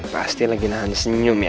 pasti lagi senyum ya